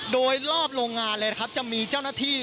โดยรอบโรงงานเลยนะครับจะมีเจ้าหน้าที่